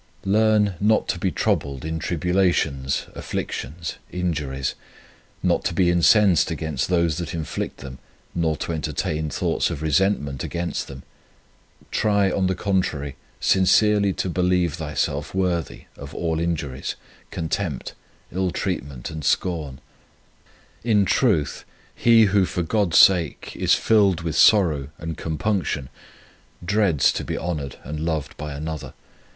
Learn not to be troubled in tribulations, afflictions, injuries ; not to be incensed against those that inflict them, nor to entertain thoughts of resentment against them. Try, on the contrary, sin cerely to believe thyself worthy of all injuries, contempt, ill treat ment and scorn. In truth, he who for God s sake is filled with sorrow and compunc tion dreads to be honoured and loved by another.